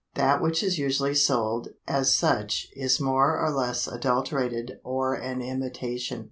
That which is usually sold as such is more or less adulterated or an imitation.